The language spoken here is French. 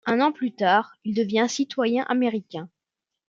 Un an plus tard, il devient citoyen américain.